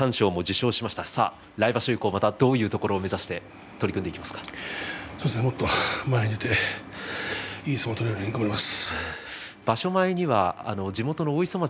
新入幕で三賞も受賞しましたが来場所以降どういうところをそうですねもっと前に出ていい相撲が取れるよう頑張ります。